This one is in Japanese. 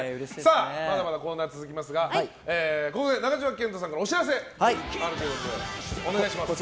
まだまだコーナー続きますがここで中島健人さんからお知らせがあるということで。